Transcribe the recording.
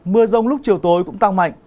mưa rông lúc chiều tối cũng tăng mạnh